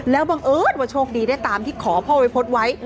แล้วบังเอิญว่าโชคดีได้ตามที่ขอพ่อวัยพจน์ไว้